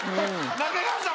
中川さん！